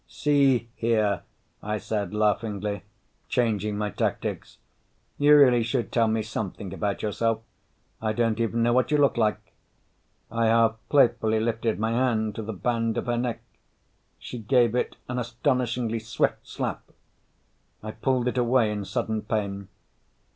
"See here," I said laughingly, changing my tactics, "you really should tell me something about yourself. I don't even know what you look like." I half playfully lifted my hand to the band of her neck. She gave it an astonishingly swift slap. I pulled it away in sudden pain.